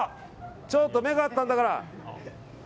ちょっと、目が合ったんだから。